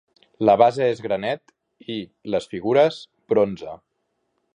La base és granet i, les figures, bronze.